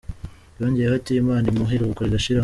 Yongeyeho ati : “Imana imuhe iruhuko ridashira”.